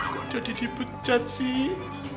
kok tadi dipecat sih